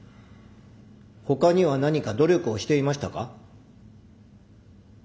ほかには何か努力をしていましたか？